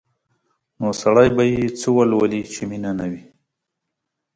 نو سړی به یې څه ولولي چې مینه نه وي؟